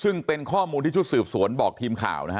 ซึ่งเป็นข้อมูลที่จะถูกยินนะครับแล้วในวงจรปิดจะเห็นรถคนตายนะครับ